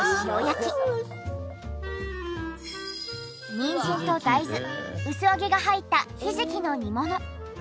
ニンジンと大豆薄揚げが入ったひじきの煮物。